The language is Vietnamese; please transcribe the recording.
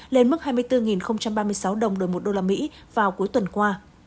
lên mức hai mươi bốn ba mươi sáu đồng đổi một usd vào cuối tuần qua